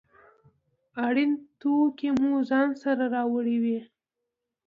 اړین توکي مو ځان سره راوړي وي.